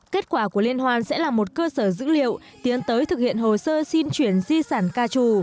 kết quả của liên hoan sẽ là một cơ sở dữ liệu tiến tới thực hiện hồ sơ xin chuyển di sản ca trù